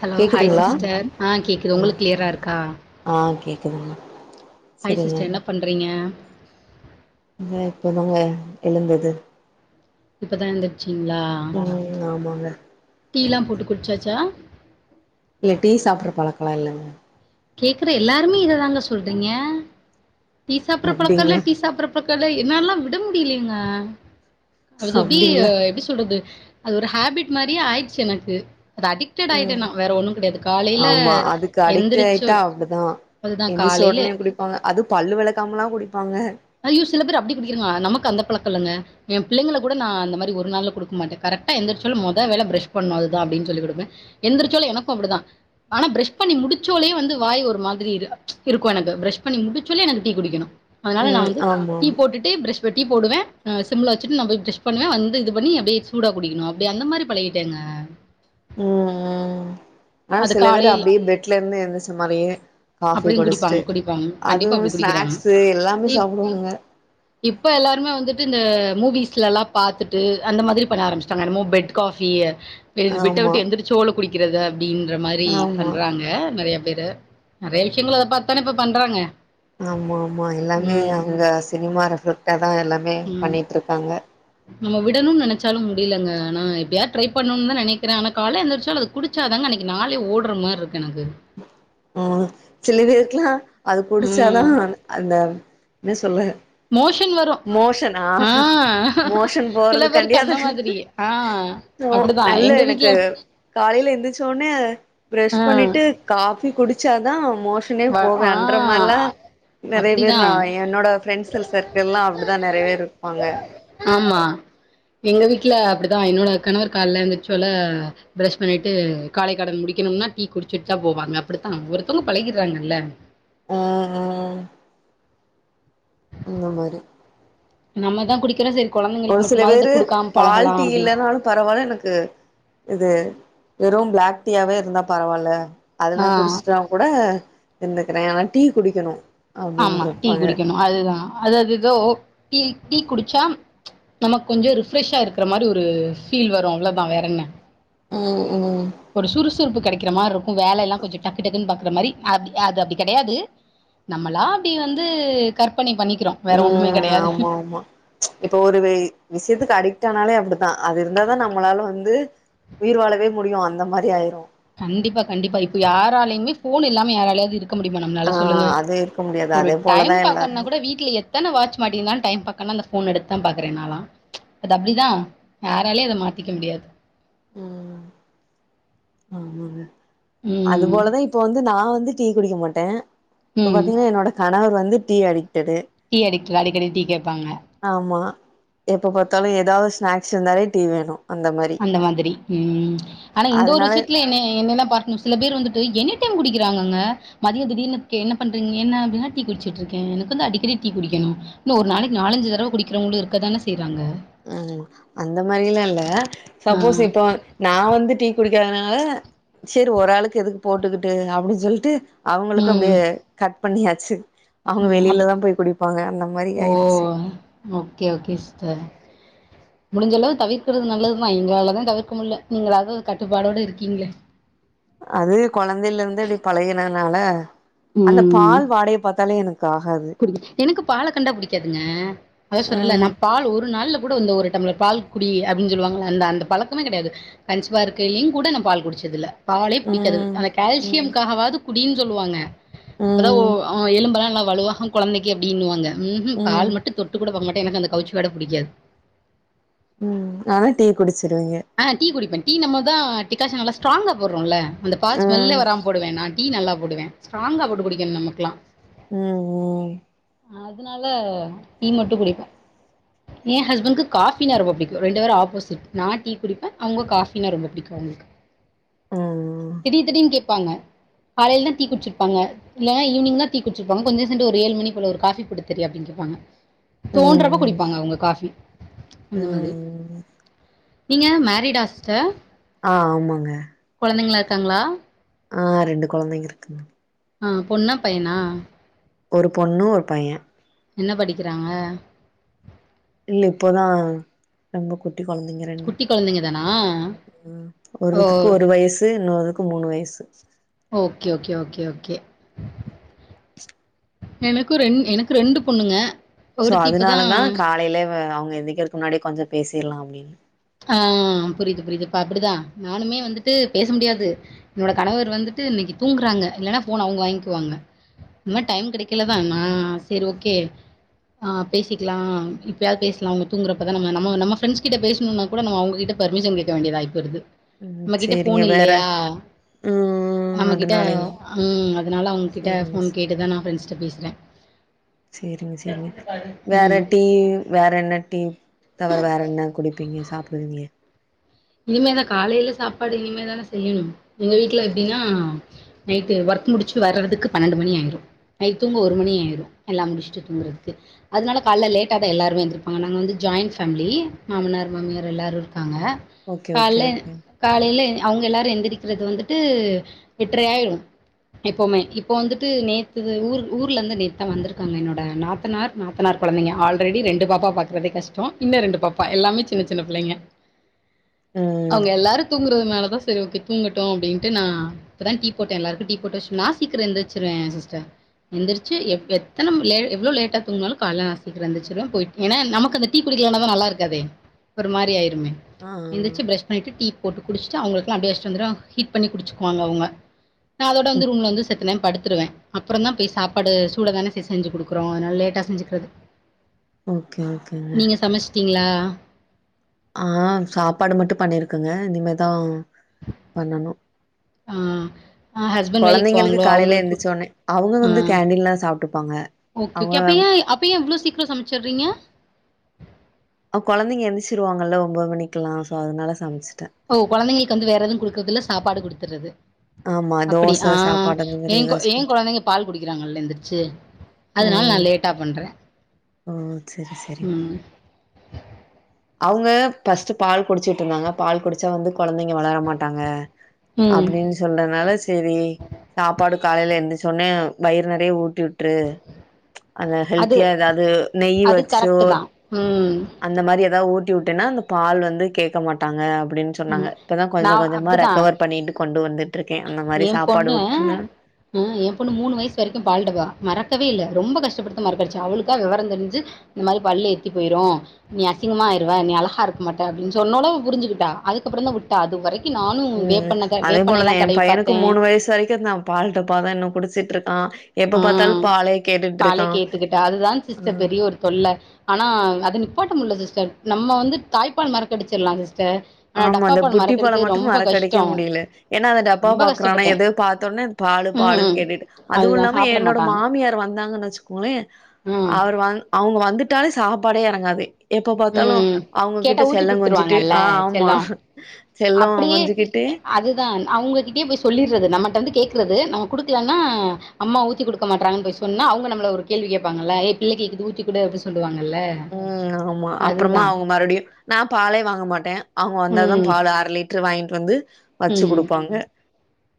Hello hi கேக்குதுங்களா sister ஆ கேக்குது உங்களுக்கு க்ளியரா இருக்கா ஆ கேக்குதுங்க ஹாய் சரிங்க சிஸ்டர் என்ன பண்ணுறீங்க இது இப்போ தாங்க எழுந்தது இப்பதா எழுந்துருச்சிங்களா ம் ஆமாங்க டீலா போட்டு குட்ச்சாச்சா இல்ல டீ சாப்புட்ற பழக்கலா இல்லங்க கேக்குற எல்லாருமே இத தாங்க சொல்றீங்க டீ சாப்புட்ற பழக்கோ இல்ல அப்டிங்களா டீ சாப்புட்ற பழக்கோ இல்ல என்னல்லா விட முடியலங்க அது அப்டி அ அப்டிங்களா எப்டி சொ சொல்றது அது ஒரு ஹேபிட் மாரியே ஆய்டுச்சு எனக்கு அது அடிக்டட் ஆயிட்டே ம் நா வேற ஒண்ணும் கிடையாது காலையில எந்திருச் டா அப்டிதா எந்துர்ச்ச ஒடனே குடிப்பாங்க அது பல்லு வெளக்காமலா குடிப்பாங்க ஐய்யோ சில பேரு அப்டி குடிக்கிதுங்க நமக்கு அந்த பழக்கோ இல்லங்க எ புள்ளைங்கள கூட நா அந்த மாரி ஒரு நாளு குடுக்க மாட்டே கரெக்டா எந்துருச்சாலு மொத வேல ப்ரஷ் பண்ணனு அதுதா அப்டின் சொல்லி குடுப்பே எந்திரிச்சோலு எனக்கு அப்புடிதா ஆனா ப்ரஷ் பண்ணி முடிச்சோலே வந்து வாய் ஒரு மாதிரி இரு இருக்கு எனக்கு ப்ரஷ் பண்ணி முடிச்சோலே எனக்கு டீ குடிக்கணு அதுனால நா ம் வந்து ஆமா ஆமா டீ போட் போட்டுட்டு ப்ரஸ் ப டீ போடுவே அ சிம்முல வச்சுட்டு நா போய் ப்ரஸ் பண்ணுவே வந்து இது பண்ணி சூடா குடிக்கனு அப்டி அந்த மாரி பழகிக் ட்டேங்க ம் ம் ஆனா அது சில பேரு காலையில அப்டியே பெட்ல இருந்து எழுந்துரச்ச மாரியே காஃபி அப்டியும் குடிப்பாங்க குடுச்ட்டு குடிப்பாங்க. கண்டிப்பா அப்டி அதுவு குடிக்கிறாங்க. ஸ்நாக்ஸ்ஸு எல்லாமே சாப்புடுவாங்க இப்ப எல்லாருமே வந்துட்டு இந்த மூவிஸ்ல எல்லா பாத்துட்டு அந்த மாதிரி பண்ண ஆரம்பிச்ட்டாங்க என்னமோ பெட் காஃபிய இது பெட்ட ஆமா விட்டு எந்திரிச்சோல குடிக்கிறது அப்டின்ற மாரி ஆமா பண்றாங்க நெறையா பேரு நெறையா விஷயங்கள் அத பாத்துத்தானே இப்ப பண்றாங்க ஆமா ஆமா எல்லாமே ம் அங்க சினிமா ரெஃப்லெக்டா தா எல்லாமே ம் பண்ணிகிட்ருக்காங்க நம்ம விடணுன் நெனச்சாலும் முடியலங்க ஆனா எப்டியாத் ட்ரை பண்ணுன்தா நெனைக்கிறே ஆனா கால்ல எந்துருச்சாலு அது குடுச்சா தாங்க அன்னைக்கி நாளே ஓட்ற மார்ருக்கு எனக்கு ம் சில பேருக்கல்லா அது குடிச்சாதா ம் அந்த என்ன சொல்லு மோஷன் வரும். மோஷனா ஆ மோஷன் சில போறதுக்காண்டி பேருக்கு அது அந்த மாதிரி. ஆ னு அப்படிதான் நல்ல எங்க வீட்ல எனக்கு காலையில எந்துருச்சோனே அ ப்ரஷ் ஆ பண்ணீட்டு காஃபி குடிச்சாதா மோஷனே வ போவே ஆ அன்ற மார்ல்லா நெறைய அப்டிதா பேர்லா எ என்னோட ஃப்ரெண்ட்ஸ் சர்க்கிள்ல்லா அப்புடிதா நெறைய பேர் இருப்பாங்க ஆமா எங்க வீட்ல அப்புடிதா என்னோட கணவர் கால்ல எந்துருச்சோல ப்ரஷ் பண்ணிட்டு காலை கடன் முடிக்கணும்னா டீ குடுச்சுட் தா போவாங்க அப்புடுத்தா ஒருத்தோங்க பழகிட்றாங்கல்ல ம் ஹும் இந்த மாரி நம்ம தா குடிக்குறோ செரி ஒரு சில பேரு பால் டீ அப்டின் இல்லன்னாலு பரவால்ல எனக்கு இது வெறும் ப்ளாக் டீயாவே இருந்தா பரவால்ல அதெல்லா ஆ குடிச்ட்டா கூட இருந்துக்கிற ஆனா டீ குடிக்கனு ஆமா டீ குடிக்கணு அதுதா அததுதோ டீ டீ குடிச்சா நமக் கொஞ்ச ரிஃப்ரெஷ்ஷா இருக்கற மாரி ஒரு ஃபீல் வரு அவ்ளதா வேறென்ன ம் ம் ஒரு சுறுசுறுப்பு கெடைக்கிற மார்ருக்கு வேல எல்லா கொஞ்ச டக்கு க்குன் பாக்குற மாரி அப்டி அது அப்டி கெடையாது நம்மளா அப்டி வந்து கற்பனை பண்ணிக்கிறோ வேற ஒண்ணுமே கெடையாது இப்ப ஒரு வே விஷியத்துக்கு அடிக்ட் ஆனாலே அப்டித்தா அது இருந்தாதா நம்மளால வந்து உயிர் வாழவே முடியு அந்த மாரி ஆயிரு கண்டிப்பா கண்டிப்பா இப்ப யாராலையுமே ஃபோன் இல்லாம யாராலயாவது இரு க்க முடியுமா ஆ நம்னால சொல்லுங்க அது இருக்க முடியாது ஒரு அதே போலதா டைம் பாக்கர்னா எல்லாருமே கூட வீட்ல எத் தான வாட்ச் மாட்டிந்தா டைம் பாக்கனா அந்த ஃபோன் எடுத்தா பாக்ற நாளா அது அப்டிதா யாராலையு அத மாத்திக்க முடியாது ம் ம் ம் ம் அது ம் போலதா இப்ப வந்து நா வந்து டீ குடிக்க மாட்ட இப்ப ம் பாத்தீங்கனா என்னோட கணவர் வந்து டீ அடிக்டடு டீ அடிக்கல அடிக்கடி டீ கேப்பாங்க ஆமா எப்ப பாத்தாலு ஏதாவத் ஸ்நாக்ஸ் இருந்தாலே டீ வேணு அந்த மாரி இந்த மாதிரி ம் ஆனா இந்த ஒரு அதனால விஷியத்துல என்ன என்னன பாட் நியூஸ் சில பேர் வந்துட்டு எனி டைம் குடிக்கிறாங்கங்க மதிய தீடிர்னு‌ கே என்ன பண்றீங்க என்ன அப்டின்னா டீ குடிச்சிட்ருக்கே எனக்குந்தா அடிக்கடி டீ குடிக்கனு இன்னு ஒரு நாளைக்கு நாலஞ்சி தரவ குடிக்கிறவங்களு இருக்க தான செய்றாங்க ம் ஆமா அந்த மாரில்லா இல்ல ஆ சப்போஸ் இப்போ நா வந்து டீ குடிக்காதனால சேரி ஒரு ஆளுக்கு எதுக்கு போட்டுக்கிட்டு அப்டின் சொல்லிட்டு அவுங்களுக்கு ம் அப்டியே கட் பண்ணியாச்சி அவுங்க ம் அது வெளியில தா போய் குடிப்பாங்க அந்த மாரி ஓ ஆயிருச்சு ஓகே ஓகே சிஸ்டர் முடிஞ்சளவு தவிர்க்கிறது நல்லது தா எங்களால தா தவிர்க்க முல்ல நீங்களாவது கட்டுப்பாடோட இருக்கீங்ளே அது கொழந்தைலருந்து இப்டி பழகினதுனால அந்த பால் வாடைய பாத்தாலே எனக்கு ஆகாது எனக்கு பால கண்டா புடிக்காதுங்க அதா சொல்றல்ல ம் நா பால் ஒரு நாள்ல கூட இந்த ஒரு டம்லர் பால் குடி அப்டின் சொல்லுவாங்கள்ள அந்த அந்த பழக்கமே கெடையாது கன்சிவா இருக்கையிலிங் கூட நா பால் குடிச்சதில்ல பாலே புடிக்காது ம் அந்த ம் கால்சியம்காகவாது குடின் சொல்லுவாங்க அப்பதா ஓ ம் அ எலும்பெல்லா எல்லா வலுவாகு கொழந்தைக்கு அப்டின்னுவாங்க ம் ம் பால் மட்டு தொட் தெட்டு கூட பாக்க மாட்டே எனக்கு அந்த கவுச்சி வாட புடிக்காது ம் ஆனா டீ குடிச்சிருவீங்க ஆ டீ குடிப்பே டீ நம்ம தா டிகாஷன் நல்லா ஸ்ட்ராங்கா போறோல்ல அந்த பால் ஸ்மெல்லே ம் வராம் போடுவே நான் டீ நல்லா பேடுவே ஸ்ட்ராங்கா போட்டு குடிக்கனு நமக்லா ம் ம் அதுனால டீ மட்டு குடிப்பே எ ஹஸ்பண்க்கு காஃபினா ரெம்ப புடிக்கு ரெண்டு பேரு ஆப்போசிட் நா டீ குடிப்பேஅவுங்க காஃபினா ரொம்ப புடிக்கு அவுங்களுக்கு ம் திடீர் திடீர்னு கேப்பாங்க காலையில தா டீ குடிச்சிர்ப்பாங்க இல்ல ஈவினிங் தா டீ குட்ச்சிர்ப்பாங்க கொஞ்ச சென்டு ஒரு ஏழு மணி போல ஒரு காஃபி போட்டு தர்யா அப்டின் கேப்பாங்க தோன்றப்ப ம் குடிப்பாங்க அவுங்க காஃபி அந்த மாதிரி ம் நீங்க மேரிடா சிஸ்டர் ஆ ஆமாங்க கொழந்தைங்களா இருக்காங்களா ஆ ரெண்டு கொழந்தைங்க இருக்குங்க ஆ பொண்ணா பையனா ஒரு பொண்ணு ஒரு பையெ என்ன படிக்கிறாங்க இல்ல இப்போதா ரெம்ப குட்டி கொழந்தைங்க ரெண்டு குட்டி குழந்தைங்க தானா ம் ஓ ஒருத்துக்கு ஒரு வயசு இன்னொருதுக்கு மூணு வயசு ஓகே ஓகே ஓகே ஓகே எனக்கு ரெண் எனக்கு ரெண்டு பொண்ணுங்க சோ ஒருத்தி இப்போ அதுனாலதா தான் காலையிலேவு அவங்க எந்திக்கிறதுக் முன்னாடியே கொஞ்சோ பேசீர்லா அப்டினு ஆ புரியுது புரியுது இப்ப அப்டிதா நானுமே வந்துட்டு பேச முடியாது என்னோட கணவர் வந்துட்டு இன்னைக்கு தூங்குறாங்க இல்லனா ஃபோன அவங்க வாய்ங்க்குவாங்க இம்மா டைம் கெடைக்கலதா நா செரி ஓகே ஆ பேசிக்கலா இப்பயாவது பேசலா அவங்க தூங்குறப்பதா நம்ம நம்ம நம்ம ஃப்ரெண்ட்ஸ் கிட்ட பேசணுனா கூட நம்ம அவங்ககிட்ட பர்மிஷன் கேட்க வேண்டியதாய் போயிருது ம் நம்ம கிட்ட சேரிங்க போன் வேற இல்லையா ம் நம்மகிட்ட அதனாலைங்க ம் அதுனால அவங்ககிட்ட சேரிங்க போன் சே கேட்டுதா நா ஃப்ரெண்ட்ஸ் ட்ட பேசுறே சேரிங்க சேரிங்க வேற ம். டீ வேற என்ன டீ தவறு வேற என்ன குடிப்பீங்க சாப்டுவீங்க இனிமேதா காலையில சாப்பாடு இனிமேதான செய்யணு எங்க வீட்ல எப்டினா நைட்டு ஒர்க் முடிச்சிட்டு வரறதுக்கு பன்னெண்டு மணி ஆயிரு நைட் தூங்க ஒரு மணி ஆயிரு எல்லா முடிச்ட்டு தூங்குறதுக்கு அதுனால காலைல லேட்டாதா எல்லாருமே எந்திரிப்பாங்க நம்ம வந்து ஜாயிண் ஃபேமிலி மாமனார் மாமியார் எல்லாரு இருக்காங்க ஓகே ஓகே கால்ல ஓகே காலையில அவங்க எல்லாரு எந்திரிக்கிறது வந்துட்டு எட்ரையாயிரு எப்போவுமே இப்போ வந்துட்டு நேத்துது ஊர் ஊர்லருந்து நேத்துதா வந்துருக்காங்க என்னோட நாத்தனார் நாத்தனார் கொழந்தைங்க ஆல்ரெடி ரெண்டு பாப்பா பாக்றதே கஷ்டோ இன்ன ரெண்டு பாப்பா எல்லாமே சின்ன சின்ன பிள்ளைங்க ம் அவங்க எல்லாரு தூங்குறதுனாலதா சரி ஓகே தூங்கட்டூ அப்டின்ட்டு நா இப்பதா டீ போட்டே எல்லாருக்கு டீ போட்டு வச்சி நா சீக்கரோ எந்திர்ச்சிருவே சிஸ்டர் எந்திரிச்சி எப் எத்தனம் லே எவ்வளோ லேட்டா தூங்குனாலு கால்ல நா சீக்ரோ எந்திச்சிருவே போய்ட் ஏனா நமக்கு அந்த டீ குடிக்கலனாதா நல்லா இருக்காதே ஒரு மாரி ஆயிருமே ஆ ஆ. எந்திச்சி பிரஷ் பண்ணிட்டு டீ போட்டு குடிச்ட்டு அவங்களுக்குலா அப்டியே வச்ட்டு வந்துருவே ஹீட் பண்ணி குடிச்சுக்குவாங்க அவங்க நா அதோட வந்து ம். ரூம்ல வந்து செத்தநேம் படுத்துருவே அப்புறந்தா போய் சாப்பாடு சூடாதான செ செஞ்சி குடுக்குறோ அதுனால லேட்டா செஞ்சிக்றது ஓகே ஓகேங்க நீங்க சமச்சிட்டீங்ளா ஆம் சாப்பாடு மட்டு பண்ணிருக்கங்க இனிமேதா பண்ணணு ஹஸ்பண்ட் வேலைக்கு கொழந்தைங்களுக்கு போவாங்களோ காலையில அவங்களுக்கு எந்திச்ச ஒடனே அவங்க வந்து ஆ கேண்டின்ல சாப்டுப்பாங்க ஓகே ஓக் அப்ப ஏ அப்ப ஏ இவ்ளோ சீக்ரோ சமச்சிர்றீங்க அ கொழந்தைங்க எந்திச்சிருவாங்கல்ல ஒம்போது மணிக்கலா சோ அதனால சமச்சிட்டே ஓ கொழந்தைங்களுக்கு வந்து வேற எதுவு குடுக்கற்தில்ல சாப்பாடு குடுத்துட்றது ஆமா அப்டி தோச ஆஹ் சாப்பாடு அந்த ஏ மாரி கோ ஏதாச்சு ஏ குடுத்து கொழந்தைங்க பால் குடிக்கிறாங்கல்ல எந்திரிச்சி அதுனால் நா லேட்டா பண்றே ஆ செரி செரிங்க அவங்க ஃபஸ்ட்டு பால் குடிச்சிட்ருந்தாங்க பால் குடிச்சா வந்து கொழந்தைங்க வளர மாட்டாங்க ம். அப்புடின் சொன்னதுனால செரி சாப்பாடு காலைல எந்தி சொன்னே வயிறு நறைய ஊட்டி வுட் று அத அது ஹெல்த்தியா ஏதாவது நெய்யி அது வச்சோ கரெக்ட்டு தான். ம். அந்த மாரி ஏதாது ஊட்டி வுட்டேனா அந்த பால் வந்து கேக்க மாட்டாங்க அப்டின்ச் சொன்னாங்க ம். இப்பதா கொஞ்ச கொஞ்சமா ரெக்கவர் பண்ணிட்டு கொண்டு வந்துட் ஏ பொண்ணு ஆ எ பொண்ணு மூணு வயசு வரிக்கு பால்டப்பா மறக்கவே இல்ல ரொம்ப கஷ்டப்படுத்த மறக்கடைச்சு அவளுக்கா வெவரம் தெரிஞ்சு இந்த மாரி பல் ஏத்தி போயிரு நீ அசிங்கமாய்றுவ நீ அழகா இருக் மாட்ட அப்டின் சொன்னோனே அவ புரிஞ்சுக்கிட்டா அதுக்கப்புற தா விட்டா அது வரைக் ம் அதே போலதா எ பையனுக்கு பார்த்தேன் மூணு வயசு வரைக்கு நா பால் டப்பாதா இன்னு குடிச்சிட்ருக்கா ஆ எப்ப ஆ பாத்தாலு பாலே கேட்டுட்ருக்கா. பாழைக்கேத்துக்கிட்ட அதுதா ஆ சிஸ்டர் பெரிய ஒரு தொல்ல ஆனா அது நிப்பாட்ட முட்ல சிஸ்டர் நம்ம வந்து தாய்ப்பால் மறக்கடிச்சிர்லா சிஸ்டர் ஆனா ஆமா இந்த டப்பாப்பால் புட்டிப்பால மறக்கடிக்கிறது மட்டு ரொம்ப மற கடைக்க கஷ்டம் முடியில ஏன அந்த டப்பா ரொம்ப பாக்றானா கஷ்டப்பட்டேன் எதோ பாத்தொன்னே பாலு ம் பாலுன் ம் கேட்டுட்டு அதுவு அதுதான் இல்லாம சாப்பிட என்னோட மாட்டாங்க மாமியார் வந்தாங்கன் வச்சுக்கோங்ளே அவர் ம் அவுரு வந் அவுங்க வந்துட்டாலே சாப்பாடே இறங்காது எப்ப பாத்தாலு ம் கேட்டா அவுங்ககிட்ட ஊத்தி செல்லங்கொஞ்சிட்டு குடுத்துருவாங்கல்ல ஆ செல்லோ செல்லோ கொஞ்சிக்கிட்டு இதா அவுங்ககிட்டயே போய் சொல்லிற்றது நம்மட்ட வந்து கேக்கறது நம்ம குடுக்லனா அம்மா ஊத்தி குடுக்க மாட்றாங் போய் சொ சொன்னா அவுங்க நம்ம ஒரு கேள்வி கேப்பாங்கல ஏ பிள்ளக்கி ஊத்தி குடு அப்டி சொல்லுவாங்கல்ல ம் ஆமா அப்றமா அதுதா அவுங்க மறுடியு நா பாலே வாங்க மாட்டே அவுங்க வந்தா தா ம் பாலு அரலிட் ரு வாய்ன்ட்டு வந்து வச்சு ம் குடுப்பாங்க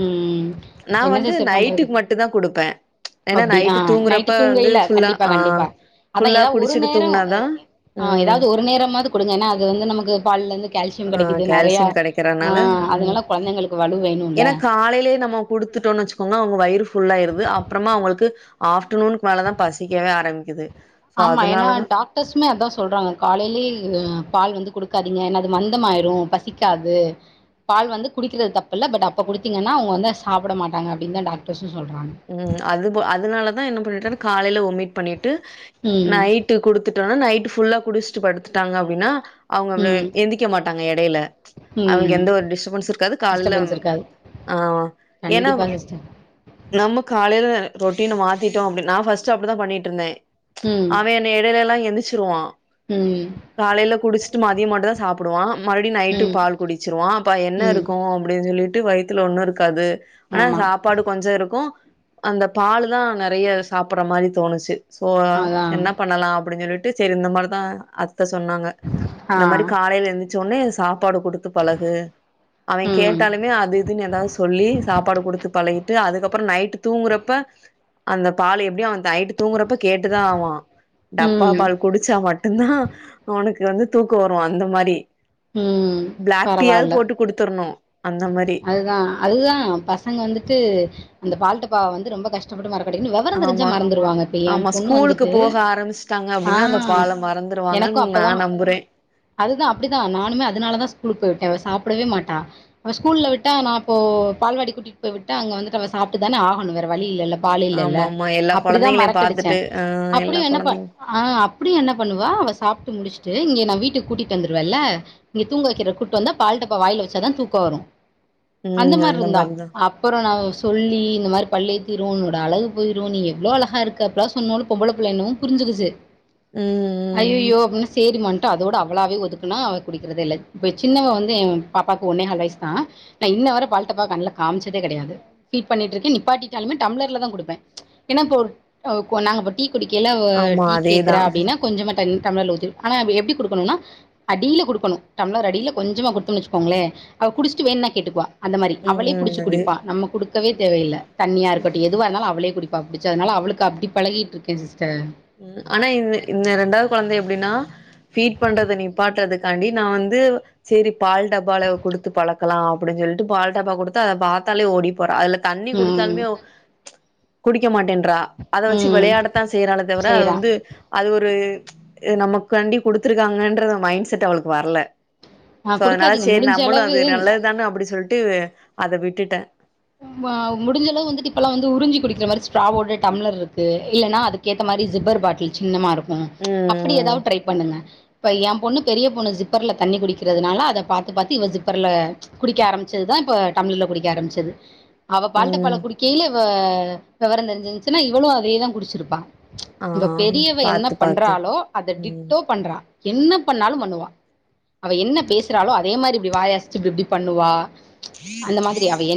ம் நா என்ன வந்து சிஸ்டர் பண்றது நைட்டுக் மட்டு தா குடுப்பே ஏனா அப்டி ஆ நைட்டு நைட்டு தூங்குறப்ப வந்து தூங்கையில ஃபுல்லா கண்டிப்பா ஆ கண்டிப்பா அதா ஃபுல்லா ஏதா ஒரு குடிச்சிடு நேரோ ஆ ஏதாவ்து ஒரு நேரமாது குடுங்க ஏனா அது வந்து நமக்கு பால்லந்து கேல்சியம் கெடக்குது நறையா கெறனால ம் வேணுல்ல ஏனா காலைலே நம்மோ குடுத்துட்டோன் வச்சுக்கோங்க அவுங்க வயிறு ஃபுல்லா ஆயிருது அப்புறமா அவுங்களுக்கு ஆஃப்டர்நூனுக் மேலதா பசிக்கவே ஆரம்பிக்குது சோ ஆமா ஏனா அதனாலதா டாக் டர்ஸுமே அதா சொல்றாங்க காலைலே இது பால் வந்து குடுக்காதீங்க ஏனா அது மந்தமாயிரு பசிக்காது பால் வந்து குடிக்கிறத் தப்பு இல்ல பட் அப்போ குடுத்தீங்கன்னா அவுங்க வந்து சாப்புட மாட்டாங்க அப்டின் தா டாக்டர்ஸு சொல்றாங்க ம் அதுபோ அதனாலதா என்ன பண்ணிட்ட காலைல ஒமிட் பண்ணிட்டு ம் நைட் டு குடுத்துட்டோனா நைட் ஃபுல்லா குடிச்ட்டு படுத்துட்டாங்க அப்டினா அவுங்க வே ம் எந்திக்க மாட்டாங்க இடையில அவுங்ளுக் ம் எந்த ஒரு டிஸ்டபன்ஸு இருக்காது கால்ல டிஸ்டபன்ஸ் இருக்காது ஆ ஏனா வ கண்டிப்பா சிஸ்டர் நம்ம காலைல ரொட்டினு மாத்திட்டோ அப்டினா பஸ்ட் அப்டித்தா பண்ணிட்ருந்தே ம் அவே இந்த இடைலேலா எந்திச்சிருவா ம் காலைல குடிச்சிட் மதிய மட்டு தா சாப் புடுவா மறுடியு நைட் ம் பால் குடிச்சிருவா அப்ப என்ன ம் இருக்கு அப்டின் சொல்லிட்டு வைத் துல ஒண்ணு இருக்காது ஆனா ஆமா சாப்பாடு கொஞ்ச இரு க்கு அந்த பாலு தா நெறய சாப்பிட்ற மாரி தோணுச்சு சோ அதா என்ன பண்ணலா அப்டின் சொல்லிட்டு செரி இந்த மாரிதா அத்த சொன்னாங்க ஆ இந்த மாரி காலைல எந்திச்சோ ஒன்னே சாப் ப்பாடு குடுத்து பழகு அவே ம் கேட்டாலுமே அது இதுன் ஏதாது சொல்லி சாப்பாடு குடுத்து பழகி டு அதுக்கப் அப்புற நைட் தூங்குறப்ப அந்த பாலு எப்டியு அவ நைட்டு தூங்குறப்ப கேட்டுதா ஆவ்வா டப்பா ம் பால் குடிச்சா மட்டுந்தா அவனுக்கு வந்து தூக்க வரு அந்த மாரி ம் பிளாக் டீயாது பரவால்ல போட்டு குடுத்துர்ணு அந்த மாரி அதுதா அதுதா பசங்க வந்துட்டு அந்த பால் டப்பாவ வந்து ரொம்ப கஷ் ட பட்டு மறக்கடிக்கனு வெவர தெரிஞ்சா ஆமா மறந்துருவாங்க இப்ப ஏ ஆமா பொண்ணு ஸ்கூலுக்கு வந்துட்டு போக ஆ வந்துருவாங்கன்னு நா நம்புறே அதுதா அப்டிதா நானுமே அதனாலதா ஸ்கூலுக்கு போய் விட்ட இவ சாப்டவே மாட்டா அவ ஸ்கூல்ல விட்டா நா இப்போ பால்வாடில கூப்டி விட்டா போய்ட்டு அங்க வந்துட்டு அவ சாப்பிட்டா ஆகணு வேற வழி இல்லல்ல பால் இல்லல்ல ஆமா ஆமா எல்லா அப்டிதா கொழந்தைங்களையு மறக்கடிச்சே பாத்துட்டு ஆ எல்லா அப்டியு என்ன பண் கொழந்தைங் ஆ அப்டியு என்ன பண்ணுவா அவ சாப்ட்டு முடிச்சுட்டு இங்க நா வீட்டுக்கு கூட்டிட்டு வந்துருவேல்ல இங்க தூங்க வைக்கிற கூட்டுவந்தா பால் டப்பா வாயில வச்சதா தூக்க வரு அந்த ம் மார்ருந்தா மாரிதா அ அப்புற நா சொல்லி இந்த மாரி பள்ளி திரவு என்னோட அழகு போயிடு நீ எவ்ளோ அழகா இருக்க அப்டில்லா சொன்னாலு பொம்பள புள்ளைனு புரிஞ்சிருச்சு ம் ம் அய்யய்யோ அப்டின்னு சேரிமான்ட்டு அதோட அவளாவே ஒதுக்குனா அவ குடிக்கிறதே இல்ல இப்ப சின்னவ வந்து பாப்பாக்கு ஒன்னேஹால் வயசுதா நா இன்ன வர பால் டப்பாவ கண்ல காமிச்சதே கெடையாது ஃபீட் பண்ணிட்ருக்கே நிப்பாட்டிட்டாலுமே டம்ளர்லதா குடுப்பே ஏன்னா இப்ப ஒரு அ நாங்க இப்ப டீ குடிக்கைல அவ ஆமா டீ அதேதா கேக்குறா அப்டினா கொஞ்சமா தண் டம்ளர்ல ஊத்தி ஆனா எப்டி குடுக்கணுனா அடில குடுக்கணு டம்ளர் அடில கொஞ்சமா குடுத்தோனு வச்சுக்கோங்களே அவ குடிச்சட்டு வேண்ணா கேட்டுக்குவா அந்த மாரி ம் அவளே ம் புடிச்சி அது குடுப்பா நம்ம குடுக்கவே தேவயில்ல தண்ணியா இருக்கட்டு எதுவா இருந்தாலு அவளே குடிப்பா புடிச்சு அதனால அவளுக்கு அப்டியே பழகிட்டு இருக்கே சிஸ்டர் ஆனா இந்த இந்த ரெண்டாவது குழந்த எப்டின்னா ஃபீட் பண்றத நிப்பாட்றதுக் காண்டி நா வந்து சேரி பால் டப்பால குடுத்து பழக் கலா அப்டின்னு சொல்லிட்டு பால் டாப்பா குடுத்தா அத பாத்தாலே ஓடி போறா அதுல தண்ணி ம். குடுச்சாலுமே குடிக்க மாட்டேன்றா அத வெச்சு ம். வெளையாடத்தா செய்றாலே தவிர அது செய்றான் வந்து அது ஒரு நமக்காண்டி குடுத்திருக்காங்கன்ற மைண்ட செட் அவளுக்கு வரல ஆ சோ அதனால குடுக்காதீங்க சேரி முடிஞ்ச நம்மளு அளவு அது நல்லதுதானே அப்டின்னு சொல்லிட்டு அத விட்டுட்டே அ முடிஞ்சளவு வந்துட்டு இப்பெல்லா வந்து உறிஞ்சி குடிக்கிற மாரி ஸ்ட்ராவோட டம்ளர் இருக்கு இல்லன்னா அதுக்கு கேத்த மாரி ஜிப்பர் பாட்டில் சின்னமா இருக்கு ம் அப்டி ம் ஏதாவது ட்ரை பண்ணுங்க இப்ப எ பொண்ணு பெரிய பொண்ணு ஜிப்பர்ல தண்ணி குடிக்கிறதுனால அத பாத்து பாத்து இவ ஜிப்பர்ல குடிக்க ஆரம்பச்சதுதா இப்ப டம்ளர்ல குடிக்க ஆரம்பச்சது அவ பால் டப்பால ம் குடிக்கைல இவ வெவர தெரிஞ்சிருந்துச்சுன்னா இவ்ளு அதையேதா குடிச்சிருப்பா ஆ இப்ப பெரியவ என்ன பாத்து பாத்து பண்றாலோ அத ம் டிட்டோ பண்றா என்ன பண்ணாலு பண்ணுவா அவ என்ன பேசுறாளோ அதே மாரி இப்டி வாயசச்சு இப்டி இப்டி பண்ணுவா கீ அந்த மாதிரி அவ என் க